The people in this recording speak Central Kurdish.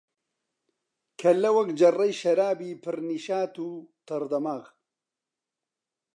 کەللە وەک جەڕڕەی شەرابی پر نیشات و تەڕ دەماغ